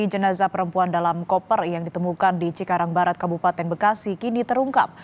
jenazah perempuan dalam koper yang ditemukan di cikarang barat kabupaten bekasi kini terungkap